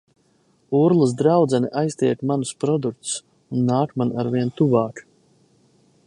Urlas draudzene aiztiek manus produktus un nāk man arvien tuvāk.